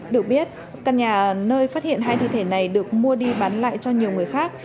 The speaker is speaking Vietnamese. được biết căn nhà nơi phát hiện hai thi thể này được mua đi bán lại cho nhiều người khác